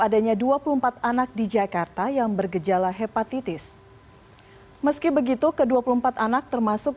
adanya dua puluh empat anak di jakarta yang bergejala hepatitis meski begitu ke dua puluh empat anak termasuk